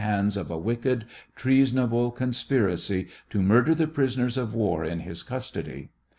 hands of a wicked, treasonable conspi racy to murder the prisoners of war in his custody.